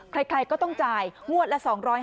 ใครก็ต้องจ่ายงวดละ๒๕๐